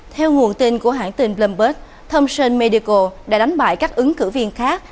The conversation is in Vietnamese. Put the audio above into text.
theo nguồn tin của hãng tin bloomberg tomson medical đã đánh bại các ứng cử viên khác